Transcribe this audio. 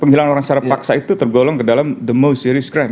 penghilang orang secara paksa itu tergolong ke dalam the most serious crime